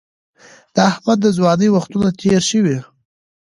د احمد د ځوانۍ وختونه تېر شوي.